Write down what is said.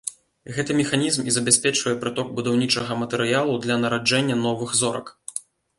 Гэты механізм і забяспечвае прыток будаўнічага матэрыялу для нараджэння новых зорак.